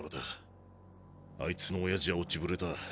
あいつの親父は落ちぶれた。